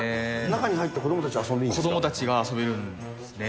中に入って子どもたち遊んで子どもたちが遊べるんですね。